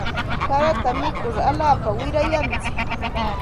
Harata mikur alaapa wirayantsik.